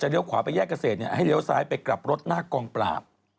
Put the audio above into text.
เลี้ยขวาไปแยกเกษตรให้เลี้ยวซ้ายไปกลับรถหน้ากองปราบ